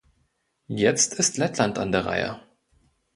Jetzt ist Lettland an der Reihe.